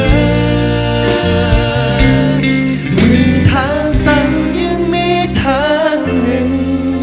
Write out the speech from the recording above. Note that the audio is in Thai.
ทางตันยังมีทางหนึ่ง